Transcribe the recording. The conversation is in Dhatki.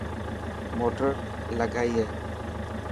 موٽر لگائي اي.